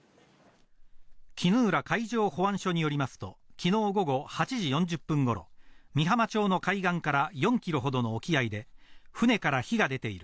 衣浦海上保安署によりますと昨日午後８時４０分頃、美浜町の海岸から４ｋｍほどの沖合で、船から火が出ている。